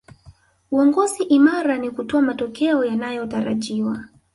uongozi imara ni kutoa matokeo yanayotarajiwa